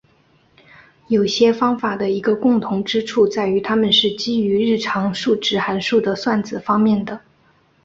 有些方法的一个共同之处在于它们是基于日常数值函数的算子方面的。